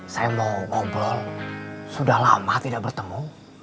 saya mau ngobrol sudah lama tidak bertemu